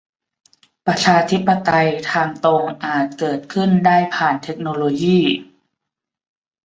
ประชาธิปไตยทางตรงอาจเกิดขึ้นได้ผ่านเทคโนโลยี